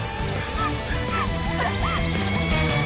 あっ？